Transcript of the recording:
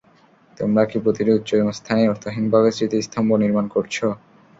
তোমরা কি প্রতিটি উচ্চ স্থানেই অর্থহীনভাবে স্মৃতি স্তম্ভ নির্মাণ করছ?